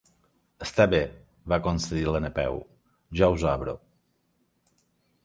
Està bé —va concedir la Napeu—, ja us obro.